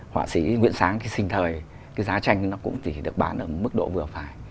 họa sĩ nguyễn sáng sinh thời giá tranh cũng chỉ được bán ở mức độ vừa phải